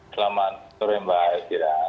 selamat sore mbak